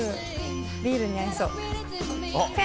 ビールに合いそう。